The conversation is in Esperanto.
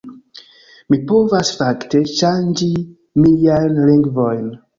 Mi povas, fakte, ŝanĝi miajn lingvojn